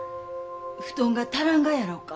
布団が足らんがやろうか？